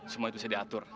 semua itu saya diatur